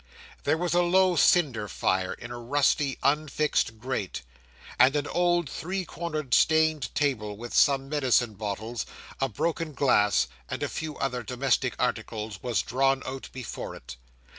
There was a low cinder fire in a rusty, unfixed grate; and an old three cornered stained table, with some medicine bottles, a broken glass, and a few other domestic articles, was drawn out before it.